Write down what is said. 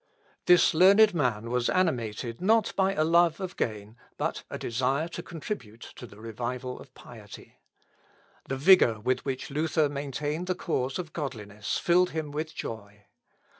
This learned man was animated not by a love of gain but a desire to contribute to the revival of piety. The vigour with which Luther maintained the cause of godliness, filled him with joy.